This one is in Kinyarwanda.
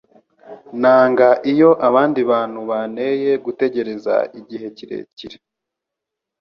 Nanga iyo abandi bantu banteye gutegereza igihe kirekire.